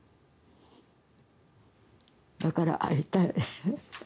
だから会いたい。